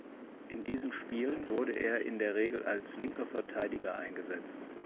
In diesen Spielen wurde er in der Regel als linker Verteidiger eingesetzt.